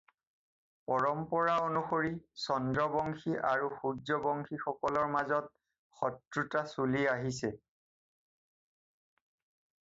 পৰম্পৰা অনুসৰি চন্দ্ৰবংশী আৰু সূৰ্যবংশীসকলৰ মাজত শত্ৰুতা চলি আহিছে।